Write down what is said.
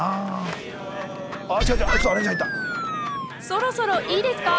そろそろいいですか？